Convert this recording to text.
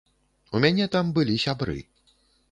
У мяне там былі сябры.